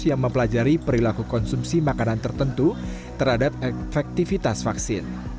yang mempelajari perilaku konsumsi makanan tertentu terhadap efektivitas vaksin